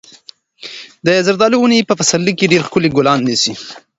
د زردالو ونې په پسرلي کې ډېر ښکلي ګلان نیسي.